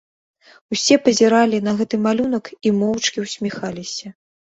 Усе пазіралі на гэты малюнак і моўчкі ўсміхаліся.